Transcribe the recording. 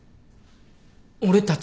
俺たち？